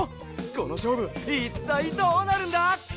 このしょうぶいったいどうなるんだ？